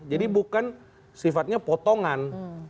jadi bukan sifatnya potongan